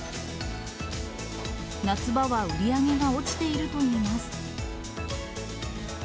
夏場は売り上げが落ちているといいます。